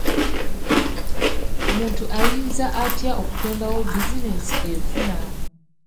Omuntu ayinza atya okutondawo bizinensi efuna?